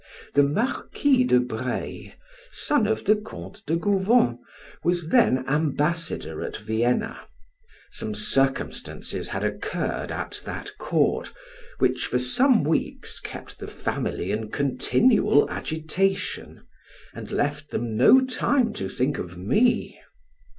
The Marquis de Breil, son of the Count de Gauvon, was then ambassador at Vienna; some circumstances had occurred at that court which for some weeks kept the family in continual agitation, and left them no time to think of me.